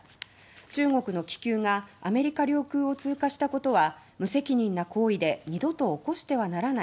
中国の気球がアメリカ領空を通過したことは無責任な行為で二度と起こしてはならない。